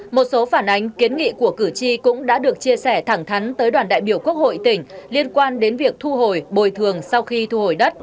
một số phản ánh kiến nghị của cử tri cũng đã được chia sẻ thẳng thắn tới đoàn đại biểu quốc hội tỉnh liên quan đến việc thu hồi bồi thường sau khi thu hồi đất